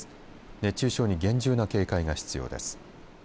熱中症に厳重な警戒が必要です。